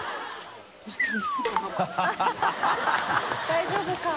大丈夫か？